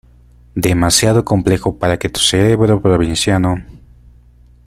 demasiado complejo para que tu cerebro provinciano